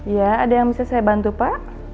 ya ada yang bisa saya bantu pak